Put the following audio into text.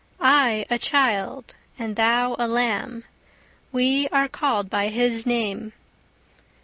I a child, and thou a lamb, We are callèd by His name.